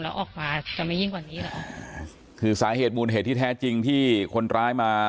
แล้วออกมาจะไม่ยิ่งกว่านี้เหรอคือสาเหตุมูลเหตุที่แท้จริงที่คนร้ายมา